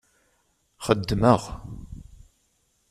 Xeddmeɣ.